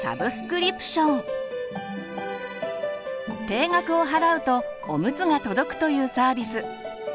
定額を払うとおむつが届くというサービス。